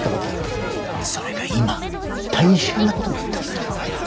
それが今大変な事になってんだよ。